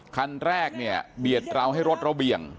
คันแรกเนี่ยเบียดเราให้รถเราเบี่ยง